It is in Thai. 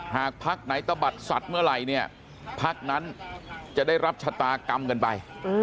พักไหนตะบัดสัตว์เมื่อไหร่เนี่ยพักนั้นจะได้รับชะตากรรมกันไป